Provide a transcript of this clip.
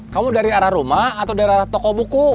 kamu dari arah rumah atau dari arah toko buku